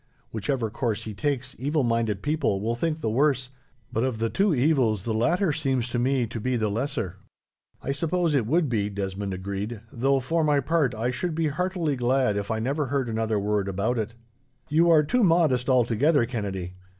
Whichever course he takes, evil minded people will think the worse; but of the two evils, the latter seems to me to be the lesser." "I suppose it would be," Desmond agreed, "though, for my part, I should be heartily glad if I never heard another word about it." "You are too modest altogether, Kennedy.